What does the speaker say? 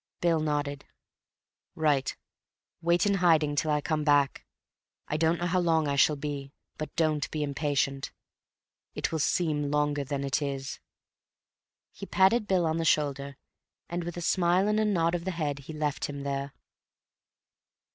Bill nodded. "Right. Wait in hiding till I come back. I don't know how long I shall be, but don't be impatient. It will seem longer than it is." He patted Bill on the shoulder, and with a smile and a nod of the head he left him there.